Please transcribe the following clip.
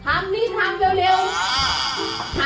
ถามว่าเป็นไรเป็นไรไม่ทำ